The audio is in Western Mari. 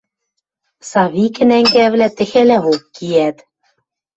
Савикӹн ӓнгӓвлӓ тӹхӓлӓок киӓт.